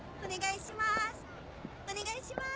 ・お願いします